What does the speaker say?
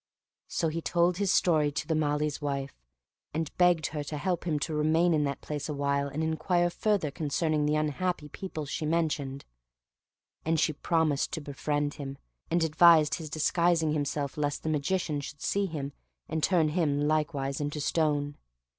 So he told his story to the Malee's wife, and begged her to help him to remain in that place awhile and inquire further concerning the unhappy people she mentioned; and she promised to befriend him, and advised his disguising himself lest the Magician should see him, and turn him likewise into stone.